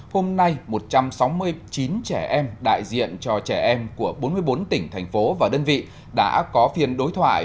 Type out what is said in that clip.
hôm nay một trăm sáu mươi chín trẻ em đại diện cho trẻ em của bốn mươi bốn tỉnh thành phố và đơn vị đã có phiên đối thoại